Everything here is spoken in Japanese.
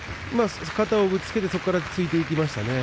肩をぶつけてそこから突いていきましたね。